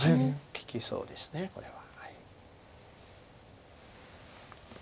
利きそうですねこれは。